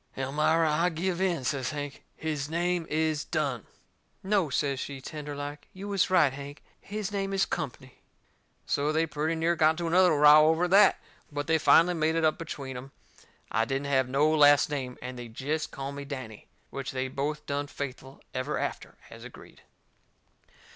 "Elmira, I give in," says Hank. "His name is Dunne." "No," says she, tender like, "you was right, Hank. His name is Company." So they pretty near got into another row over that. But they finally made it up between em I didn't have no last name, and they'd jest call me Danny. Which they both done faithful ever after, as agreed.